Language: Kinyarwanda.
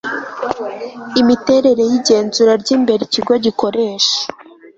imiterere y igenzura ry imbere ikigo gikoresha